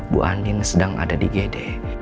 bu anin sedang ada di gd